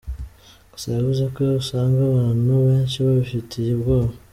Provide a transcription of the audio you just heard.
Gusa yavuze ko usanga abantu benshi babifitiye ubwoba.